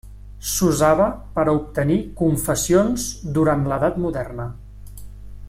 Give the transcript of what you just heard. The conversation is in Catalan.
S'usava per a obtenir confessions durant l'Edat Moderna.